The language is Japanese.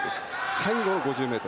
最後の５０ｍ。